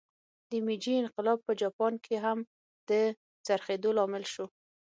د میجي انقلاب په جاپان کې هم د څرخېدو لامل شو.